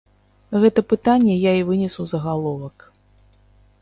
Гэта пытанне я і вынес у загаловак.